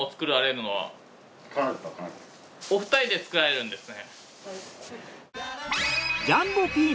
お二人で作られるんですね。